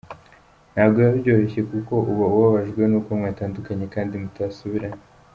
Ntabwo biba byoroshye kuko uba ubabajwe nuko mwatandukanye kandi mutasubirana.